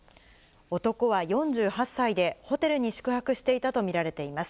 男は４８歳で、ホテルに宿泊していたと見られています。